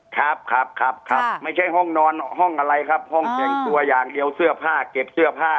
ครับครับไม่ใช่ห้องนอนห้องอะไรครับห้องแต่งตัวอย่างเดียวเสื้อผ้าเก็บเสื้อผ้า